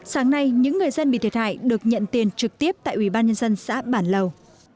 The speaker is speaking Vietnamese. sáng nay những người dân bị thiệt hại được nhận tiền trực tiếp tại ủy ban nhân dân xã bản lầu